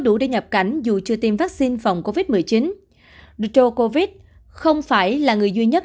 đủ để nhập cảnh dù chưa tiêm vaccine phòng covid một mươi chín dro covid không phải là người duy nhất